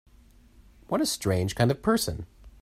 What a strange kind of person!